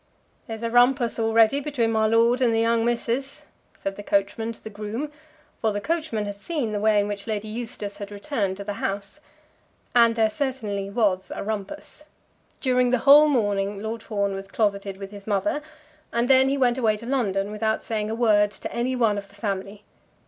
"There's a rumpus already between my lord and the young missus," said the coachman to the groom; for the coachman had seen the way in which Lady Eustace had returned to the house. And there certainly was a rumpus. During the whole morning Lord Fawn was closeted with his mother, and then he went away to London without saying a word to any one of the family.